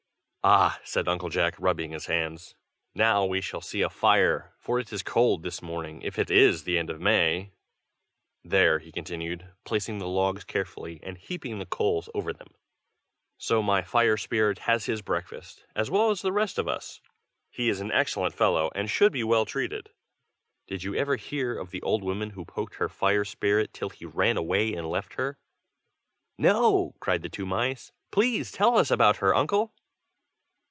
"Ah!" said Uncle Jack, rubbing his hands. "Now we shall see a fire, for it is cold this morning, if it is the end of May. There," he continued, placing the logs carefully, and heaping the coals over them. "So my fire spirit has his breakfast, as well as the rest of us. He is an excellent fellow, and should be well treated. Did you ever hear of the old woman who poked her fire spirit till he ran away and left her?" "No!" cried the two mice. "Please tell us about her, Uncle."